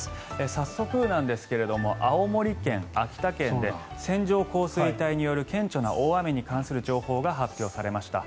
早速なんですが青森県、秋田県で線状降水帯による顕著な大雨に関する情報が発表されました。